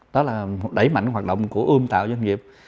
đó là đẩy mạnh hoạt động của ươm tạo doanh nghiệp